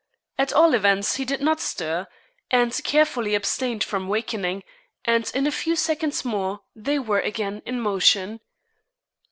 At all events he did not stir, and carefully abstained from wakening, and in a few seconds more they were again in motion.